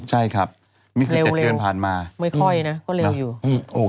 ใช่ครับนี่คือ๗เดือนผ่านมาเร็วไม่ค่อยนะก็เร็วอยู่